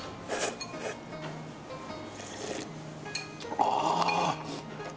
ああ